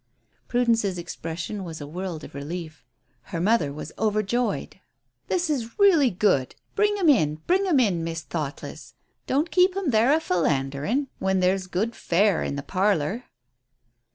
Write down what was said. Prudence's expression was a world of relief. Her mother was overjoyed. "This is real good. Bring him in! Bring him in, Miss Thoughtless! Don't keep him there a philandering when there's good fare in the parlour!"